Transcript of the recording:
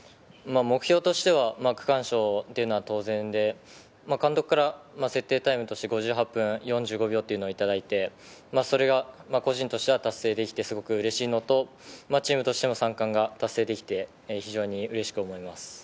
目標としては区間賞は当然で、監督から設定タイムとして５８分４５秒をいただいて、それが個人としては達成できて嬉しいのと、チームとしても３冠が達成できて非常にうれしく思います。